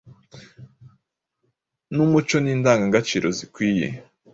numuco n’indangagaciro zikwiye